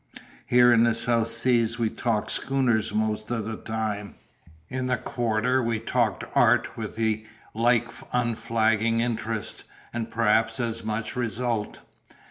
Here in the South Seas we talk schooners most of the time; in the Quarter we talked art with the like unflagging interest, and perhaps as much result.